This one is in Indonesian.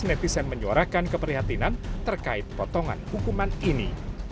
netizen menyuarakan keprihatinan terkait potongan hukuman ini